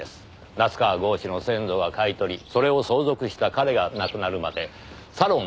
夏河郷士の先祖が買い取りそれを相続した彼が亡くなるまでサロン